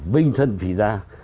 vinh thân phí gia